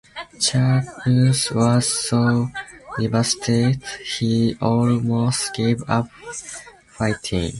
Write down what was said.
Charles was so devastated he almost gave up fighting.